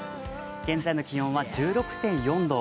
現在の気温は１６．４度。